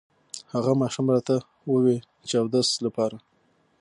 هغه ماشوم راته ووې چې اودس لپاره